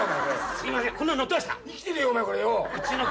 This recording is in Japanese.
すいません。